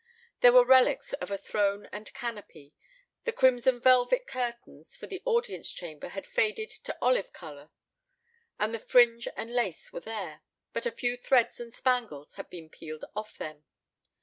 There were relics of a throne and canopy; the crimson velvet curtains for the audience chamber had faded to olive colour; and the fringe and lace were there, but a few threads and spangles had been peeled off them.